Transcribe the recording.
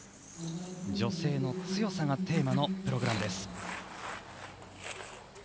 女性の強さがテーマのプログラムです。